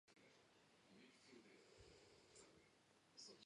სტაციონარში ფართოდ იქნა შესწავლილი ასევე ლანდშაფტის მდგომარეობა და მისი დინამიკა.